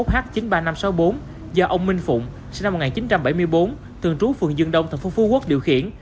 năm mươi một h chín mươi ba nghìn năm trăm sáu mươi bốn do ông minh phụng sinh năm một nghìn chín trăm bảy mươi bốn thường trú phường dương đông thành phố phú quốc điều khiển